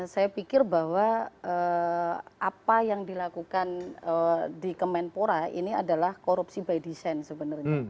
saya pikir bahwa apa yang dilakukan di kemenpora ini adalah korupsi by design sebenarnya